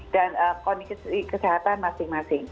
dan kondisi kesehatan masing masing